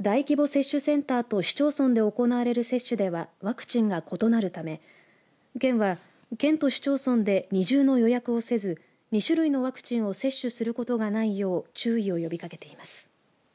大規模接種センターと市町村で行われる接種ではワクチンが異なるため県は、県と市町村で二重の予約をせず２種類のワクチンを接種することがないよう注意を呼びかけています。